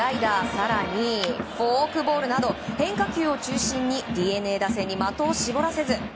更にフォークボールなど変化球を中心にＤｅＮＡ打線に的を絞らせず。